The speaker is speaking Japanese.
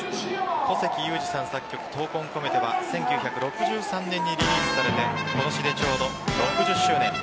古関裕而さん作曲「闘魂こめて」は１９６３年にリリースされて今年でちょうど６０周年。